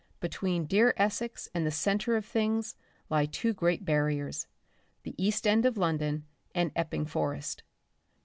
Between dear Essex and the centre of things lie two great barriers, the East End of London and Epping Forest.